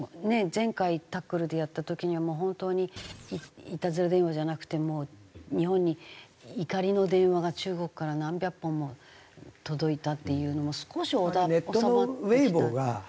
前回『タックル』でやった時にはもう本当にいたずら電話じゃなくて日本に怒りの電話が中国から何百本も届いたっていうのも少し収まってきた。